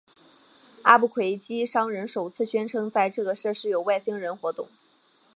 阿布奎基商人首次宣称在这个设施有外星人活动。